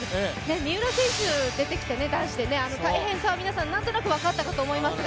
三浦選手出てきて男子で大変さは皆さん何となく分かったと思いますが。